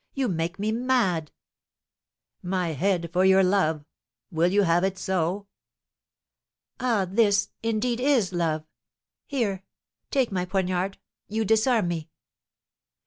"You make me mad!" "My head for your love, will you have it so?" "Ah, this, indeed, is love! Here, take my poniard, you disarm me!"